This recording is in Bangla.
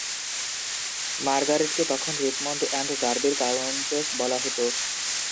মার্গারেটকে তখন "রিচমন্ড অ্যান্ড ডার্বির কাউন্টেস" বলা হত।